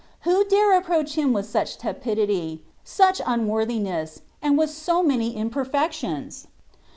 Who dare approach Him with such tepidity, such unworthiness, and with so many imperfec tions?